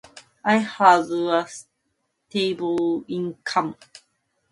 I have a stable income, control my expenses, save diligently, and invest wisely.